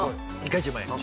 １回１０万円。